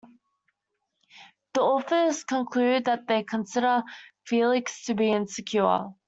The authors conclude that they consider Phelix to be insecure.